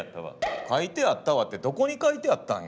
「書いてあったわ」ってどこに書いてあったんや？